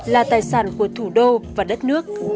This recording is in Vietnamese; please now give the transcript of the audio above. là tài sản của thủ đô và đất nước